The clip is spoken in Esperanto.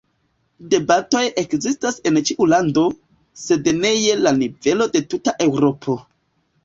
Debatoj ekzistas en ĉiu lando, sed ne je la nivelo de tuta Eŭropo.